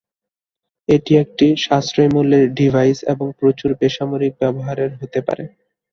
এটি একটি সাশ্রয়ী মূল্যের ডিভাইস এবং "প্রচুর" বেসামরিক ব্যবহারের হতে পারে।